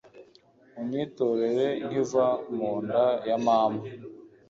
unyitorera nkiva mu nda ya mama